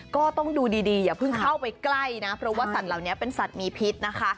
ก็ต้องดูดีอย่าเพิ่งเข้าไปใกล้นะเพราะว่าสัตว์เหล่านี้เป็นสัตว์มีพิษนะคะ